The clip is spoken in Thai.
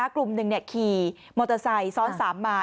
กลุ่มหนึ่งขี่มอเตอร์ไซค์ซ้อน๓มา